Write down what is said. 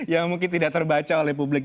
yang mungkin tidak terbaca oleh publik